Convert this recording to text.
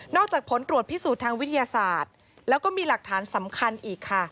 จากผลตรวจพิสูจน์ทางวิทยาศาสตร์แล้วก็มีหลักฐานสำคัญอีกค่ะ